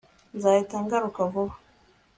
nzahita ngaruka vuba